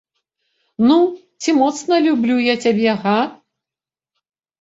Ну, ці моцна люблю я цябе, га?